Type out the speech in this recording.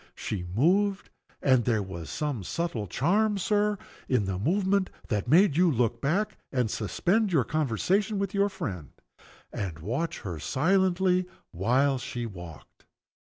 She moved and there was some subtle charm, Sir, in the movement, that made you look back, and suspend your conversation with your friend, and watch her silently while she walked.